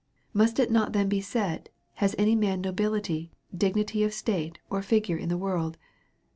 Must it not then be said. Has any man nobility, dig nityof state, or figure in the world?